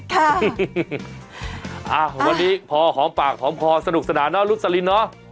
ค่ะวันนี้พอหอมปากหอมคอสนุกสนานเนาะลุสลินเนาะ